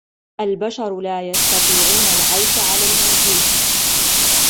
البشر لا يستطيعون العيش علي المريخ.